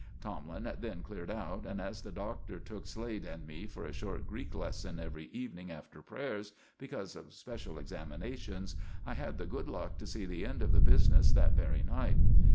Tomlin then cleared out, and as the Doctor took Slade and me for a short Greek lesson every evening after prayers, because of special examinations, I had the good luck to see the end of the business that very night.